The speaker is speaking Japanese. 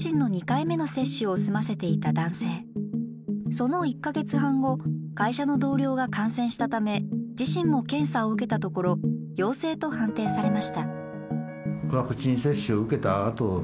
その１か月半後会社の同僚が感染したため自身も検査を受けたところ陽性と判定されました。